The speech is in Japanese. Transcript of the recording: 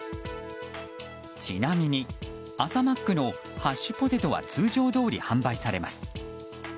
ちなみに、朝マックのハッシュポテトは通常どおり販売されます。